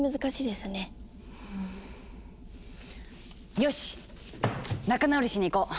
よし仲直りしに行こう！